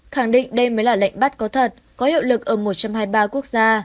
khẳng định đây mới là lệnh bắt có thật có hiệu lực ở một trăm hai mươi ba quốc gia